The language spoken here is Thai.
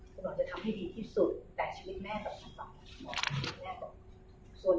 คุณหมอจะทำให้ดีที่สุดแต่ชีวิตแม่ต่อคุณหมอเติ้ลแม่ต่อคุณหมอเติ้ล